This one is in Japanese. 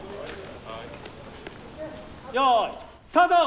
よいスタート！